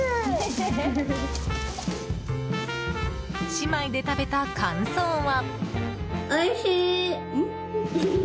姉妹で食べた感想は。